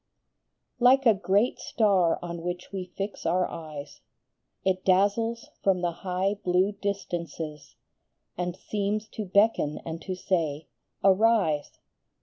Like a great star on which we fix our eyes, It dazzles from the high, blue distances, And seems to beckon and to say, " Arise